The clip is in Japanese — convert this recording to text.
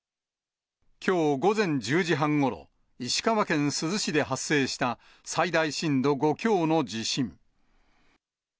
きょう午前１０時半ごろ、石川県珠洲市で発生した最大震度５強の地震。